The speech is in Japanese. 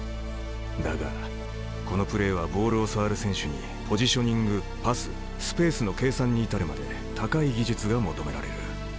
だがこのプレーはボールを触る選手にポジショニングパススペースの計算に至るまで高い技術が求められる。